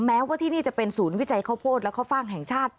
แม้ว่าที่นี่จะเป็นศูนย์วิจัยข้าวโพดและข้าวฟ่างแห่งชาติ